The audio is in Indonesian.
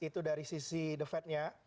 itu dari sisi the fed nya